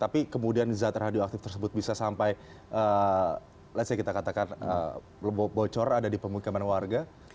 tapi kemudian zz radioaktif tersebut bisa sampai let's say kita katakan bocor ada di pemukiman warga